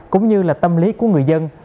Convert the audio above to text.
cũng như là tâm lý của người dân